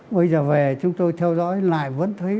bây giờ về chúng tôi theo dõi lại vẫn thấy